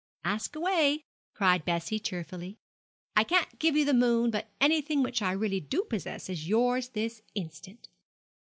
'Ask away,' cried Bessie, cheerfully; 'I can't give you the moon, but anything which I really do possess is yours this instant.'